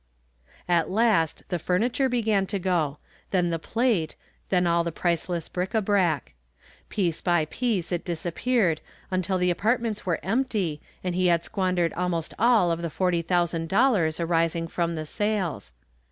At last the furniture began to go, then the plate, then ail the priceless bric a brac. Piece by piece it disappeared until the apartments were empty and he had squandered almost all of the $40,350 arising from the sales.